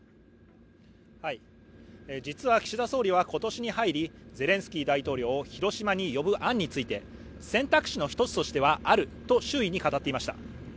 実は岸田総理は今年に入りゼレンスキー大統領を広島に呼ぶ案について、選択肢の一つとしてはあると周囲に語っていました。